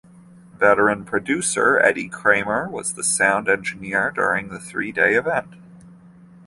Veteran producer Eddie Kramer was the sound engineer during the three-day event.